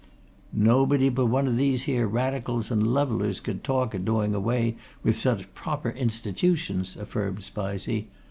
"Nobody but one o' these here Radicals and levellers could talk o' doing away with such proper institutions," affirmed Spizey.